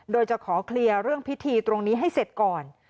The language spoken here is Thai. โดยจะขอเคลียร์เรื่องพิธีตรงนี้ให้เสร็จก่อน